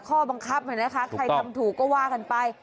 ข้อบ้างคราบเหมือนแท้นะคะใช่ถูกต้องก็ว่ากันไป